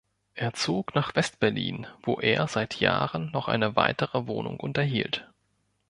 Er zog nach West-Berlin, wo er seit Jahren noch eine weitere Wohnung unterhielt.